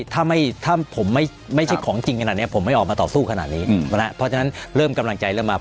ถ้าไม่ถ้าผมไม่ใช่ของจริงขนาดนี้ผมไม่ออกมาต่อสู้ขนาดนี้เพราะฉะนั้นเริ่มกำลังใจเริ่มมา